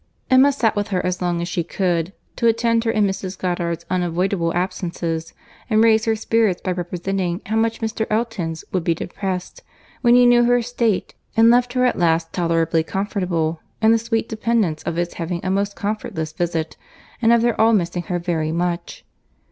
Emma sat with her as long as she could, to attend her in Mrs. Goddard's unavoidable absences, and raise her spirits by representing how much Mr. Elton's would be depressed when he knew her state; and left her at last tolerably comfortable, in the sweet dependence of his having a most comfortless visit, and of their all missing her very much.